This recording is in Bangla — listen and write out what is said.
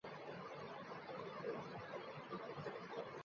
তিনি ছিলেন তার সময়কার সেরা দাবাড়ু।